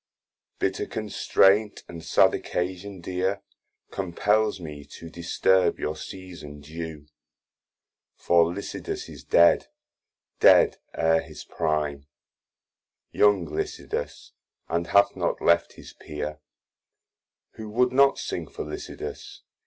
Bitter constraint, and sad occasion dear, Compels me to disturb your season due: For Lycidas is dead, dead ere his prime Young Lycidas, and hath not left his peer: Who would not sing for Lycidas?